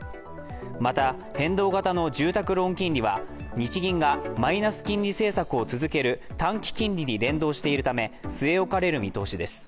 また、変動型の住宅ローン金利は日銀がマイナス金利政策を続ける短期金利に連動しているため据え置かれる見通しです。